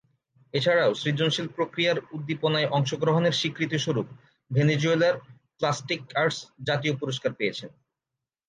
এছাড়াও, সৃজনশীল প্রক্রিয়ার উদ্দীপনায় অংশগ্রহণের স্বীকৃতিস্বরূপ ভেনেজুয়েলার প্লাস্টিক আর্টস জাতীয় পুরস্কার পেয়েছেন।